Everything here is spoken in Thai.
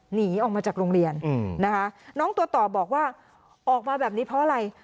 หนีออกมาจากโรงเรียนนะคะน้องตัวต่อบอกว่าออกมาแบบนี้เพราะอะไร